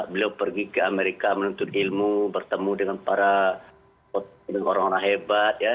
beliau pergi ke amerika menuntut ilmu bertemu dengan para orang orang hebat ya